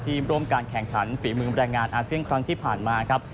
ร่วมการแข่งขันฝีมือแรงงานอาเซียนครั้งที่ผ่านมาครับ